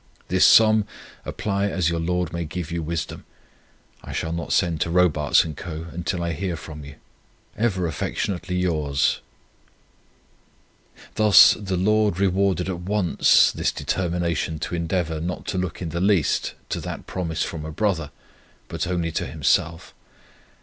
This sum apply as the Lord may give you wisdom. I shall not send to Robarts and Co. until I hear from you. Ever affectionately yours, "Thus the Lord rewarded at once this determination to endeavour not to look in the least to that promise from a brother, but only to Himself.